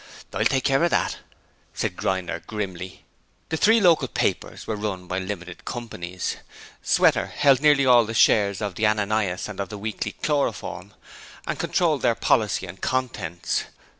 'I'll take care of that,' said Grinder, grimly. The three local papers were run by limited companies. Sweater held nearly all the shares of the Ananias and of the Weekly Chloroform, and controlled their policy and contents.